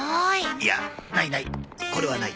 いやないない！